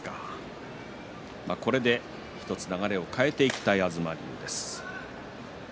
これで１つ流れを変えていきたい、東龍です。